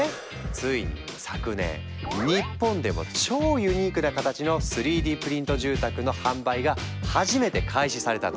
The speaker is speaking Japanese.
ついに昨年日本でも超ユニークな形の３Ｄプリント住宅の販売が初めて開始されたの。